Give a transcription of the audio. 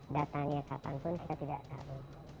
datanya kapanpun kita tidak tahu